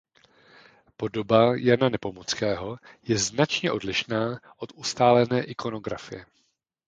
Podoba Jana Nepomuckého je značně odlišná od ustálené ikonografie.